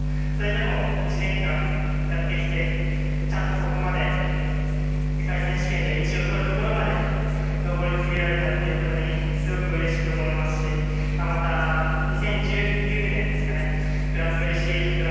それでも１年間やってきてちゃんとここまで世界選手権で１位を取るところまで上り詰められたということにすごくうれしく思いますしまた、２０１９年ですかねグランプリシリーズ